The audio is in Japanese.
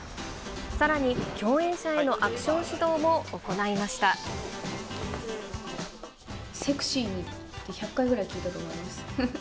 さらに、共演者へのアクション指セクシーにって、１００回くらい聞いたと思います。